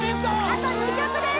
あと２曲です！